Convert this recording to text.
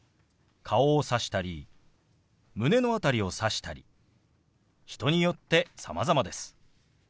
顔をさしたり胸の辺りをさしたり人によってさまざまです。